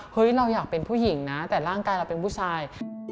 เราอยากเป็นผู้หญิงนะแต่ร่างกายเราเป็นผู้ชาย